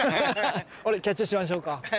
俺キャッチャーしましょうか？